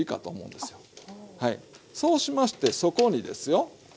そうしましてそこにですよ。